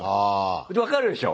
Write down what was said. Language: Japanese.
分かるでしょ？